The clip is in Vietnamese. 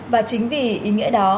và chính vì ý nghĩa đặc biệt